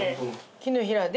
木のへらで。